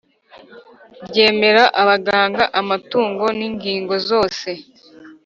ryemera abaganga amatungo n ingingo zose